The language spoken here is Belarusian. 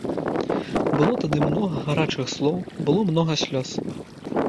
Было тады многа гарачых слоў, было многа слёз.